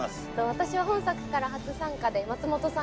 私は本作から初参加で松本さん